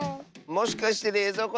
もしかしてれいぞう